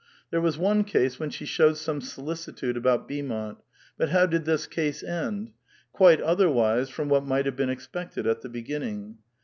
There was one case when she showed some solicitude about Beaumont ; but how did this case end? Quite otherwise from what might have been expected at the beginning.